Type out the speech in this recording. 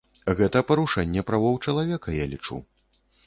Гэта парушэнне правоў чалавека, я лічу.